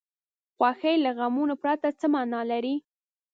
خوښي له غمونو پرته څه معنا لري.